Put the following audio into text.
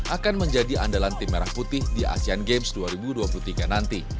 akan menjadi andalan tim merah putih di asean games dua ribu dua puluh tiga nanti